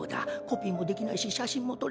コピーもできないし写真も撮れない。